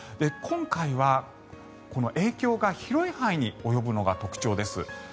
今回はこの影響が広い範囲に及ぶのが特徴です。